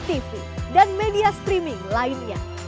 tapi pak ada rencana